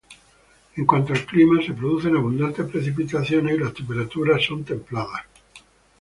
En cuanto al clima, se producen abundantes precipitaciones y las temperaturas son templadas.